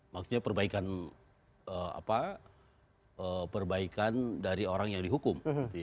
maksudnya perbaikan apa perbaikan dari orang yang dihukum